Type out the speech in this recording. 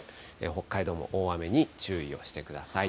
北海道も大雨に注意をしてください。